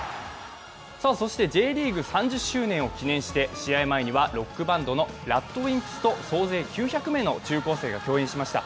そして、Ｊリーグ３０周年を記念して試合前にはロックバンドのＲＡＤＷＩＭＰＳと総勢９００名の中高生が共演しました